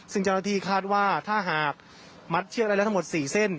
ซึ่งเจ้าหน้าที่คาดว่าถ้าหากมัดเชือกได้แล้วทั้งหมด๔เส้น